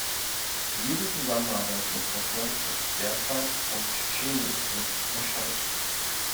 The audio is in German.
Jede Zusammenarbeit mit Russland wird derzeit vom Tschetschenien-Krieg überschattet.